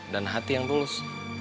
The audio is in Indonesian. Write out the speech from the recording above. dan hati yang tulus